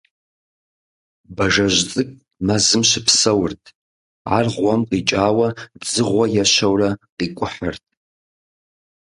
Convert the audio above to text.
Бажэжь цӀыкӀу мэзым щыпсэурт. Ар гъуэм къикӀауэ дзыгъуэ ещэурэ къикӀухьырт.